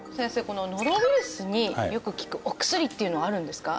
このノロウイルスによく効くお薬っていうのはあるんですか？